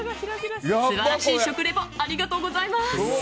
素晴らしい食リポありがとうございます。